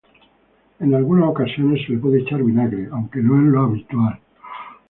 En algunas ocasiones se le puede echar vinagre, aunque no es lo habitual.